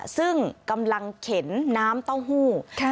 ซึ่งกำลังเข็นน้ำเต้าหู้